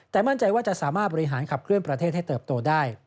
แต่มั่นใจว่าจะสามารถบริหารขับเคลื่อนประเทศให้เติบโตได้